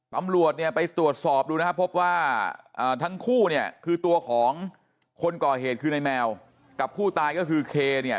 ตำรวจเนี่ยไปตรวจสอบดูนะครับพบว่าทั้งคู่เนี่ยคือตัวของคนก่อเหตุคือในแมวกับผู้ตายก็คือเคเนี่ย